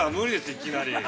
いきなり。